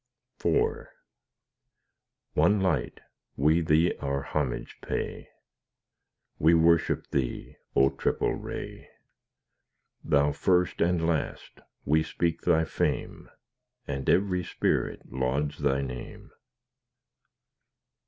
IV One Light, we Thee our homage pay, We worship Thee, O triple ray; Thou First and Last, we speak Thy fame, And every spirit lauds Thy name.